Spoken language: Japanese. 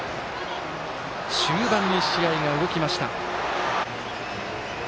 終盤に試合が動きました。